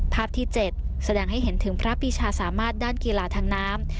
ภาพที่๗แสดงให้เห็นถึงพระปีชาสามารถด้านกีฬาทางน้ำ